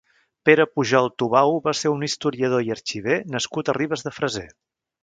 Pere Pujol Tubau va ser un historiador i arxiver nascut a Ribes de Freser.